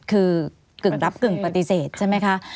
คือกึ่งรับกึ่งปฏิเสธใช่ไหมคะ